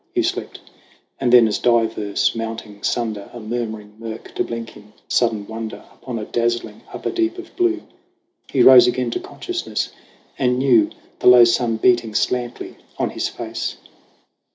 Hugh slept. And then as divers, mounting, sunder A murmuring murk to blink in sudden wonder Upon a dazzling upper deep of blue He rose again to consciousness, and knew The low sun beating slantly on his face.